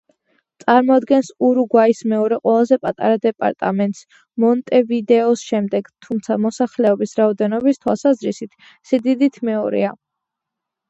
წარმოადგენს ურუგვაის მეორე ყველაზე პატარა დეპარტამენტს მონტევიდეოს შემდეგ, თუმცა მოსახლეობის რაოდენობის თვალსაზრისით, სიდიდით მეორეა.